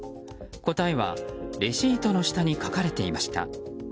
答えはレシートの下に書かれていました。